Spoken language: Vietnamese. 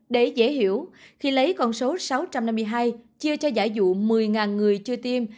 để dễ hiểu khi lấy con số sáu trăm năm mươi hai chia cho giải dụ một mươi người chưa tiêm